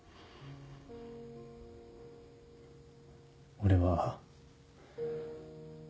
俺は。